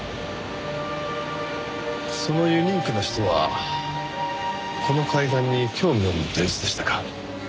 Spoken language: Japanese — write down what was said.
そのユニークな人はこの海岸に興味を持った様子でしたか？